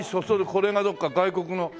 これがどっか外国のほら。